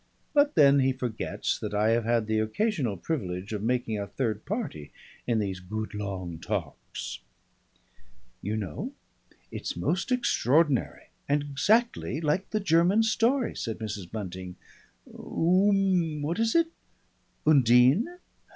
But then he forgets that I have had the occasional privilege of making a third party in these good long talks. "You know it's most extraordinary and exactly like the German story," said Mrs. Bunting. "Oom what is it?" "Undine?"